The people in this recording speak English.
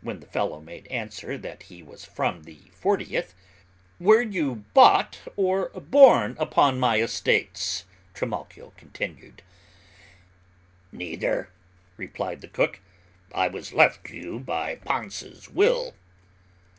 When the fellow made answer that he was from the fortieth, "Were you bought, or born upon my estates?" Trimalchio continued. "Neither," replied the cook, "I was left to you by Pansa's will."